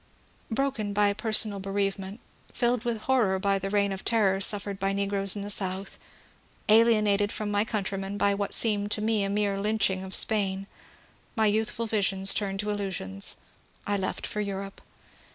Broken by personal bereavement, filled with horror by the reign of terror suffered by negroes in the South, alienated from my countrymen by what seemed to me a mere lynching of Spain, — my youthful visions turned to illusions, — I left for Europe.